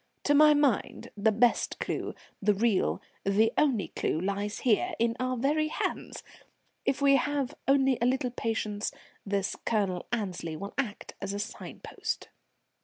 To my mind the best clue, the real, the only clue, lies here, in our very hands. If we have only a little patience, this Colonel Annesley will act as a sign post."